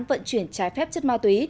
vận chuyển trái phép chất ma túy